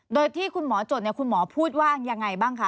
โดยที่คุณหมอจดเนี่ยคุณหมอพูดว่ายังไงบ้างคะ